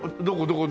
どこ？